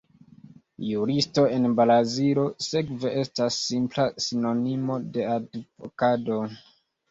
Juristo en Brazilo, sekve, estas simpla sinonimo de advokato.